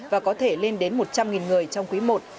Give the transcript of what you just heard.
và có thể lên đến một trăm linh người trong quý i